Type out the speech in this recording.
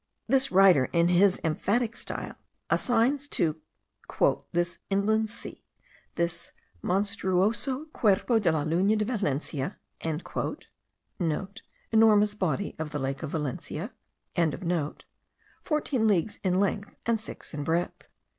This writer in his emphatic style, assigns to "this inland sea, this monstruoso cuerpo de la laguna de Valencia"* (* "Enormous body of the lake of Valencia."), fourteen leagues in length and six in breadth.